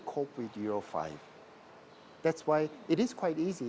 karena itulah cukup mudah untuk kita